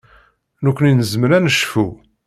Nekkni nezmer ad necfu.